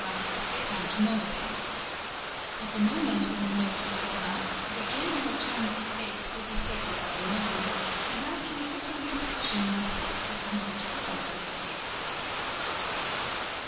if they come to know of it; at the moment when the note 'is drawn up the general turn of the case will be fairly well known and after a little reflection the effects of the note will also be guessed.